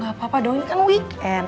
gak apa apa dong ini kan weekend